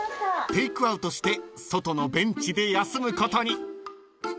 ［テークアウトして外のベンチで休むことに］